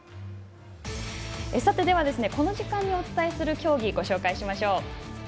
では、この時間にお伝えする競技をご紹介しましょう。